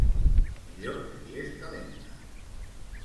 millor si és calenta